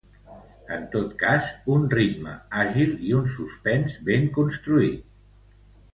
En tot cas, un ritme àgil i un suspens ben construït.